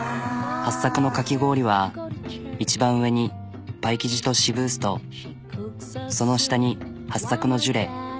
はっさくのかき氷は一番上にパイ生地とシブーストその下にはっさくのジュレ